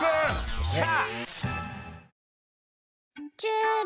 よっしゃ！